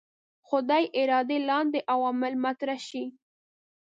خدای ارادې لاندې عوامل مطرح شي.